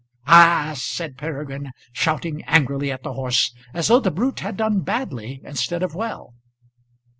"Ah h!" said Peregrine, shouting angrily at the horse, as though the brute had done badly instead of well.